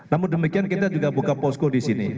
namun demikian kita juga buka posko di sini